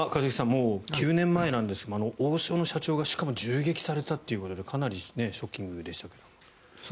もう９年前なんですが王将の社長がしかも銃撃されたということでかなりショッキングでしたけど。